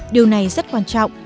điều này rất quan trọng